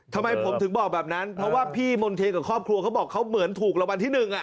ทำไมผมถึงบอกแบบนั้นเพราะว่าพี่มนเทียนกับครอบครัวเขาบอกเขาเหมือนถูกรางวัลที่หนึ่ง